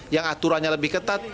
yang aturannya lebih ketat